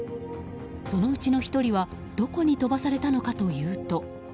そのうちの１人はどこに飛ばされたのかというと。